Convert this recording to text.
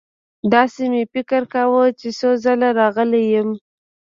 داسې مې فکر کاوه چې څو ځله راغلی یم.